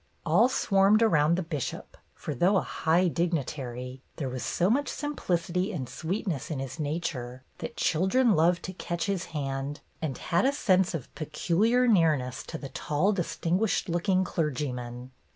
All swarmed around the Bishop, for though a high dignitary, there was so much simplicity and sweetness in his nature that children loved to catch his hand and had a sense of pecu liar nearness to the tall, distinguished looking clergyman.